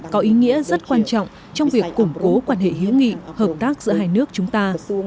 có ý nghĩa rất quan trọng trong việc củng cố quan hệ hữu nghị hợp tác giữa hai nước chúng ta